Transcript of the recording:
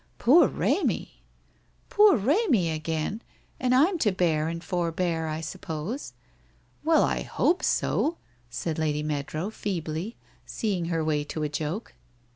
Poor Remy !' 'Poor Remy again! And I'm to bear and forbear, I suppose?' 1 Well, I hope so,' said Lady Meadrow feebly, seeing her way to a joke.